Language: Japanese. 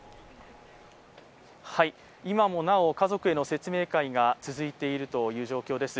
今もなお家族への説明会が続いているとい状況です。